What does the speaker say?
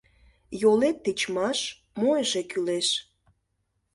— Йолет тичмаш — мо эше кӱлеш?